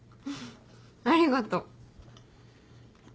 ありがとう。